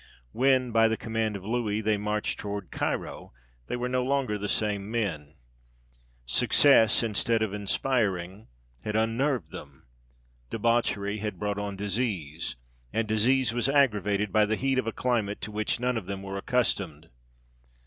When, by the command of Louis, they marched towards Cairo, they were no longer the same men; success, instead of inspiring, had unnerved them; debauchery had brought on disease, and disease was aggravated by the heat of a climate to which none of them were accustomed.